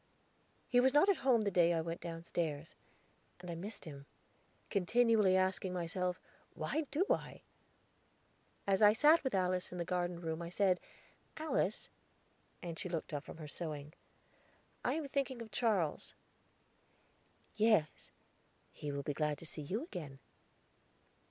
He was not at home the day I went downstairs, and I missed him, continually asking myself, "Why do I?" As I sat with Alice in the garden room, I said, "Alice." She looked up from her sewing. "I am thinking of Charles." "Yes. He will be glad to see you again."